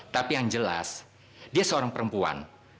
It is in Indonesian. tapi yang jelas dia seorang perempuan